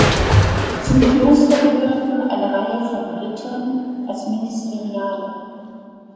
Zum Kloster gehörten eine Reihe von Rittern als Ministeriale.